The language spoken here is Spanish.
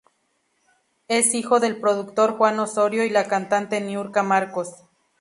Es hijo del productor Juan Osorio y la cantante Niurka Marcos.